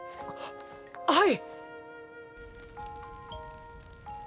はい！